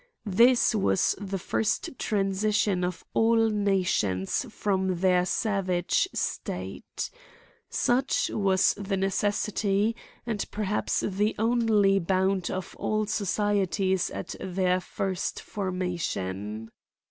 This was the first transition of all nations from their savage state. Such was the CRIMES AND PUNISHMENTS. f53 necessary, at id perhaps the only bond of all socie ties at their first formation.